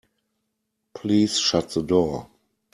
Please shut the door.